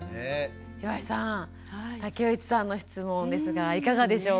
岩井さん武内さんの質問ですがいかがでしょうか？